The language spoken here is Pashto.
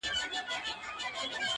نن د پنجابي او منظور جان حماسه ولیکه،